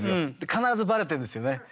必ずバレてるんですよね。